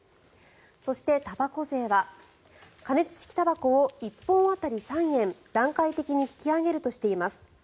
そして、たばこ税は加熱式たばこを１本当たり３円段階的に引き上げるとしています。